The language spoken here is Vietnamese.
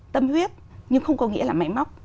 tâm huyết nhưng không có nghĩa là máy móc